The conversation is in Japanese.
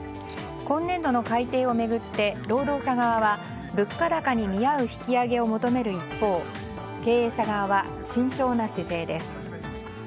今年度の改定を巡って労働者側は物価高に見合う引き上げを求める一方経営者側は慎重な姿勢です。